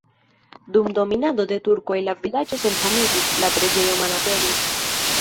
Dum dominado de turkoj la vilaĝo senhomiĝis, la preĝejo malaperis.